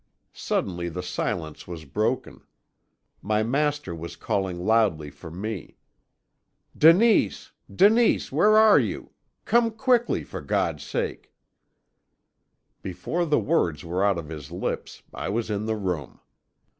"Suddenly the silence was broken. My master was calling loudly for me. "'Denise Denise! Where are you? Come quickly, for God's sake!' "Before the words were out of his lips, I was in the room.